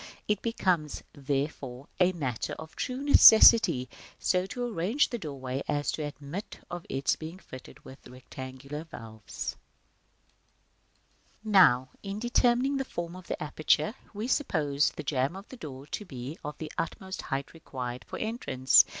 It becomes, therefore, a matter of true necessity so to arrange the doorway as to admit of its being fitted with rectangular valves. § II. Now, in determining the form of the aperture, we supposed the jamb of the door to be of the utmost height required for entrance.